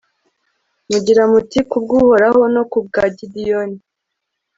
mugira muti 'ku bw'uhoraho no ku bwa gideyoni